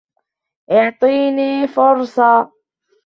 إعطيني فُرصة!